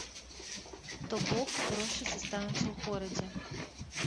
То бок, грошы застануцца ў горадзе.